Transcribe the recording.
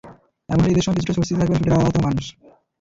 এমন হলে ঈদের সময় কিছুটা স্বস্তিতে থাকবেন ছুটির আমেজে থাকা মানুষ।